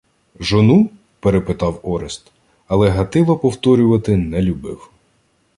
— Жону? — перепитав Орест, але Гатило повторювати не любив.